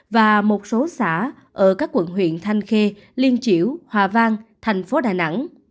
và một số xã ở các quận huyện thanh khê liên triểu hòa vang thành phố đà nẵng